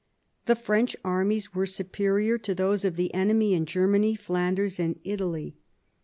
The French armies were superior to those of the enemy in Germany, Flanders, and Italy.